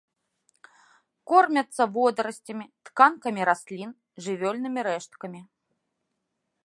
Кормяцца водарасцямі, тканкамі раслін, жывёльнымі рэшткамі.